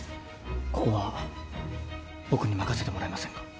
ここは僕に任せてもらえませんか。